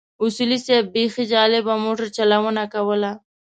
اصولي صیب بيخي جالبه موټر چلونه کوله.